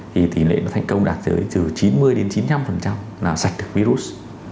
thì tỷ lệ nó thành công đạt tới từ chín mươi chín mươi năm là sạch được virus